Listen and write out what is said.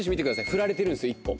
振られてるんですよ、一歩。